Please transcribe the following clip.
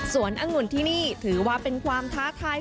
อังุ่นที่นี่ถือว่าเป็นความท้าทาย